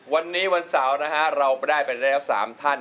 วันนี้วันเสาร์นะฮะเราได้ไปแล้ว๓ท่าน